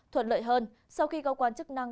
thuận lợi hơn sau khi các quan chức năng